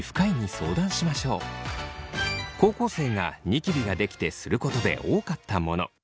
高校生がニキビができてすることで多かったもの。